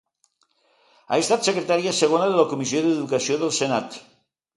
Ha estat Secretària Segona de la Comissió d'Educació del Senat.